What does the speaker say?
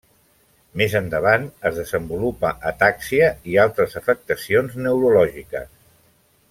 Més endavant es desenvolupa atàxia i altres afectacions neurològiques.